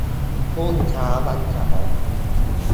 รุ่งเช้าวันเสาร์